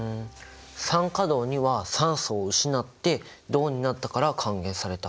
酸化銅は酸素を失って銅になったから還元された。